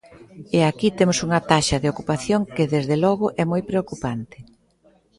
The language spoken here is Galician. E aquí temos unha taxa de ocupación que, desde logo, é moi preocupante.